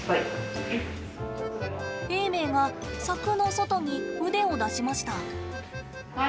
永明が、柵の外に腕を出しました。